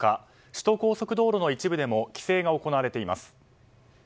首都高速道路の一部でも規制が行われています。